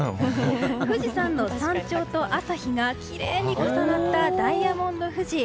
富士山の山頂と朝日がきれいに重なったダイヤモンド富士。